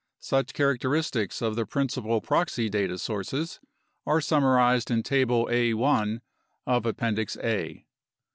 Such characteristics of the principal proxy data sources are summarized in Table A.l of Appendix A.